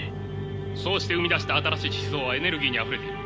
そうして生み出した新しい思想はエネルギーにあふれている。